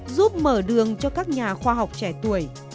giúp mở đường cho các nhà khoa học trẻ tuổi